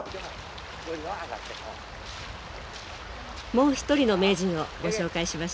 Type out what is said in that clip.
もう一人の名人をご紹介しましょう。